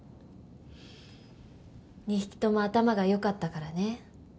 ２匹とも頭が良かったからね